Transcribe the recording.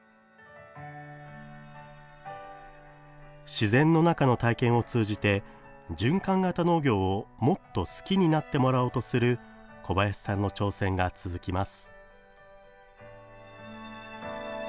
自然の中の体験を通じて循環型農業をもっと好きになってもらおうとする小林さんの挑戦が続きます。